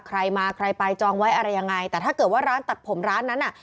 ใครมาใครไปจองไว้อะไรยังไงแต่ถ้าเกิดว่าร้านตัดผมร้านนั้นอ่ะ